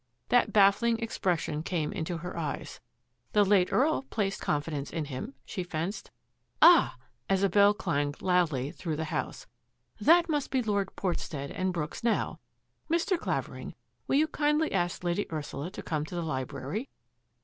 That baffling expression came into her eyes. " The late Earl placed confidence in him," she fenced. " Ah !" as a bell clanged loudly through the house, ^^ that must be Lord Portstead and Brooks now. Mr. Clavering, will you kindly ask Lady Ursula to come to the library?